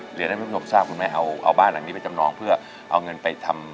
เหลือให้น้องท่านไปดูผสาห์คุณคุณแม่เอาบ้านครับมาประจำนองเพื่อเอาเงินไปทำ